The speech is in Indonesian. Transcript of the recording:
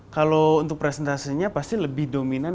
kalau untuk presentasinya pasti lebih dominan